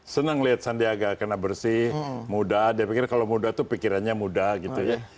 senang lihat sandiaga karena bersih muda dia pikir kalau muda itu pikirannya muda gitu ya